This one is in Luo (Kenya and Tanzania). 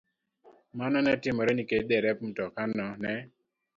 Mano ne otimore nikech derep mtokano ne